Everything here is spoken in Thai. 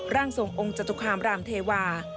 ร่างทรงกงจัฐกรรมรามเทวา